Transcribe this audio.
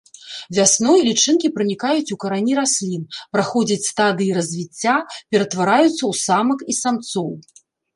Вясной лічынкі пранікаюць у карані раслін, праходзяць стадыі развіцця, ператвараюцца ў самак і самцоў.